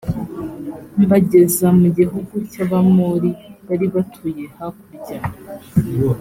mbageza mu gihugu cy abamori bari batuye hakurya